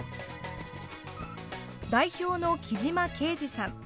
代表の木島敬二さん。